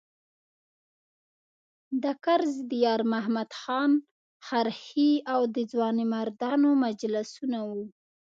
د کرز د یارمحمد خان خرخښې او د ځوانمردانو مجلسونه وو.